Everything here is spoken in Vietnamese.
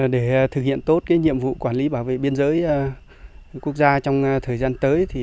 để thực hiện tốt nhiệm vụ quản lý bảo vệ biên giới quốc gia trong thời gian tới